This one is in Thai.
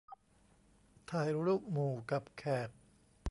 ถ่ายรูปหมู่กับแขก